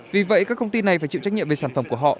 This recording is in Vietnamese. vì vậy các công ty này phải chịu trách nhiệm về sản phẩm của họ